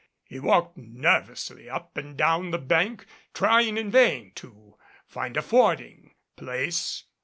He walked nervously up and down the bank trying in vain to find a fording place.